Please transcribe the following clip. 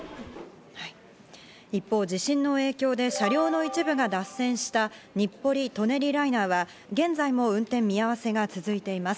一方、地震の影響で車両の一部が脱線した日暮里・舎人ライナーは、現在も運転見合わせが続いています。